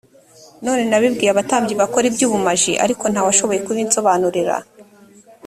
none nabibwiye abatambyi bakora ibyubumaji ariko nta washoboye kubinsobanurira.